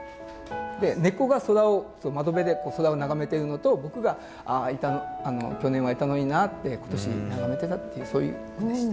猫が空を窓辺で空を眺めてるのと僕が「ああ去年はいたのにな」って今年眺めてたっていうそういう句でした。